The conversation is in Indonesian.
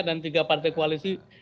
dan tiga partai kualisi